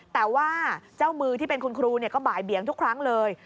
แต่ว่าเจ้ามือที่เป็นคุณครูก็บ่ายเบียงทุกครั้งเลย